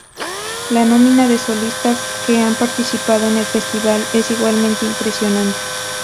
La nómina de solistas que han participado en el Festival es igualmente impresionante.